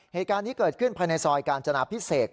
เหตุการณ์นี้เกิดขึ้นภายในซอยกาญจนาพิเศษ